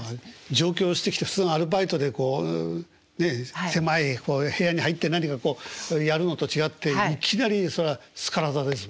上京してきてすぐアルバイトでこうね狭い部屋に入って何かこうやるのと違っていきなりスカラ座ですもんね。